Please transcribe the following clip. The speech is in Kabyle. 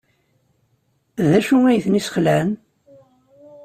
D acu ay ten-yesxelɛen?